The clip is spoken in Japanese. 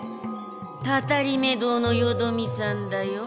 たたりめ堂のよどみさんだよ。